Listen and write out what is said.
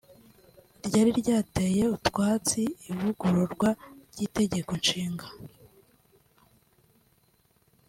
ryari ryateye utwatsi ivugururwa ry’itegeko nshinga